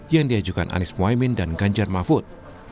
yang diajukan anies mohaimin dan ganjar mahfud